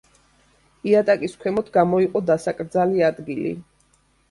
იატაკის ქვემოთ გამოიყო დასაკრძალი ადგილი.